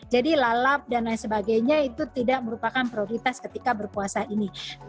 jadi lalap dan lain sebagainya itu tidak merupakan prioritas ketika berpuasa ini